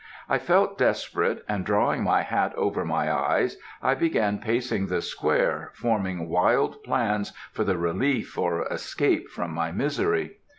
I felt desperate, and drawing my hat over my eyes I began pacing the square, forming wild plans for the relief or escape from my misery.